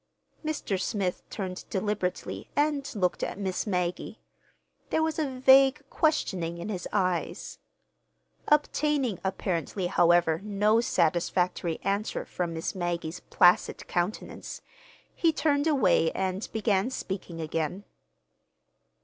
Mr. Smith turned deliberately and looked at Miss Maggie. There was a vague questioning in his eyes. Obtaining, apparently, however, no satisfactory answer from Miss Maggie's placid countenance, he turned away and began speaking again.